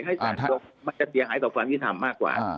ให้สารตรงมันจะเสียหายต่อความวิถัมภ์มากกว่า